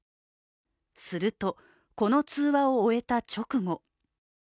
すると、この通話を終えた直後。